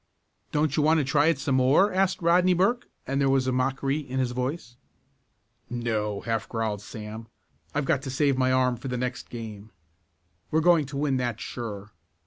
"Don't you want to try it some more?" asked Rodney Burke, and there was mockery in his voice. "No!" half growled Sam. "I've got to save my arm for the next game. We're going to win that sure.